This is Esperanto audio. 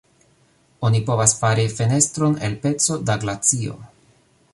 Oni povas fari fenestron el peco da glacio.